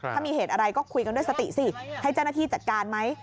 ถ้ามีเหตุอะไรก็คุยกันด้วยสติสิให้เจ้าหน้าที่จัดการไหม